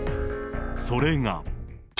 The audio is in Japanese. それが。